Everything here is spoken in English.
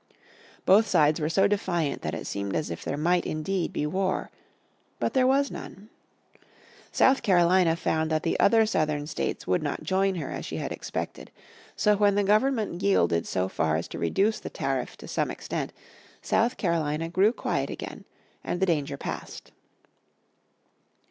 Both sides were so defiant that it seemed as if there might indeed be war. But there was none. South Carolina found that the other Southern states would not join her as she had expected. So when the Government yielded so far as to reduce the tariff to some extent South Carolina grew quiet again and the danger passed.